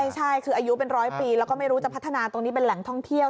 ใช่คืออายุเป็นร้อยปีแล้วก็ไม่รู้จะพัฒนาตรงนี้เป็นแหล่งท่องเที่ยว